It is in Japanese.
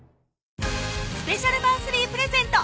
スペシャルマンスリープレゼント